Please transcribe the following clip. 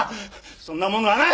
そんなものはない！